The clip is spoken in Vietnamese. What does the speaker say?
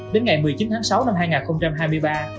đến ngày một mươi chín tháng sáu năm hai nghìn hai mươi ba